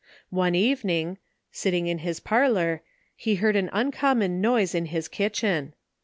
One evening, sitting in his parlour, he heard an uncommon noise in his kitchen.